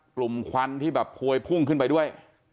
ควันที่แบบพวยพุ่งขึ้นไปด้วย